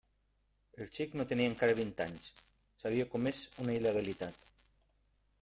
El xic no tenia encara vint anys; s'havia comès una il·legalitat.